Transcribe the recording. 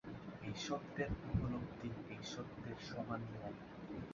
এই সত্যের উপলব্ধি এই সত্যের সমান হওয়া।